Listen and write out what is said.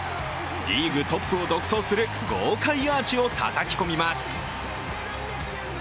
リーグトップを独走する豪快アーチをたたき込みます。